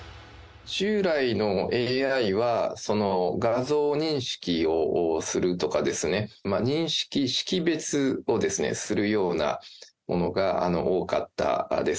従来のＡＩは、画像認識をするとか、認識、識別をするようなものが多かったです。